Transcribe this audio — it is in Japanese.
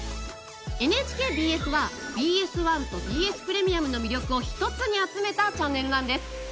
ＮＨＫＢＳはＢＳ１とＢＳプレミアムの魅力を一つに集めたチャンネルなんです。